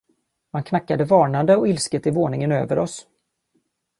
Man knackade varnande och ilsket i våningen över oss.